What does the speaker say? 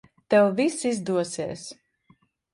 Tev viss izdosies.